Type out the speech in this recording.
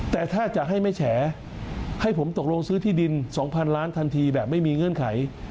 แต่ถ้าจะให้ไม่แฉให้ผมตกลงซื้อที่ดิน๒๐๐ล้านทันทีแบบไม่มีเงื่อนไข